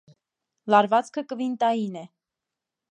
Լարվածքը կվինտային է։